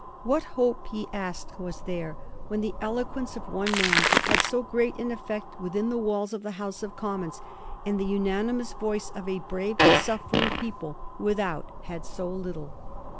What hope, he asked, was there when the elo quence of one man had so great an effect within the walls of the House of Commons, and the unanimous voice of a brave, suffering people without had so little?